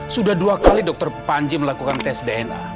sudah dua kali dokter panji melakukan tes dna